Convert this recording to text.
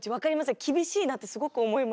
厳しいなってすごく思いました。